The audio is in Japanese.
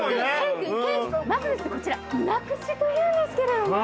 まずこちらうな串というんですけれども。